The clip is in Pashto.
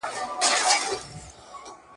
هغه وویل چې زه درس لولم.